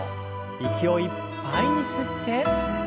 息をいっぱいに吸って。